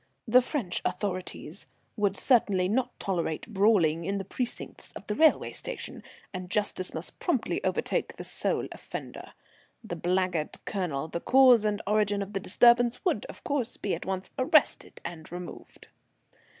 The French authorities would certainly not tolerate brawling in the precincts of the railway station, and justice must promptly overtake the sole offender. The blackguard Colonel, the cause and origin of the disturbance, would, of course, be at once arrested and removed.